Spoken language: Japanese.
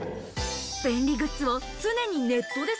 便利グッズを常にネットで